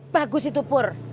bagus itu pur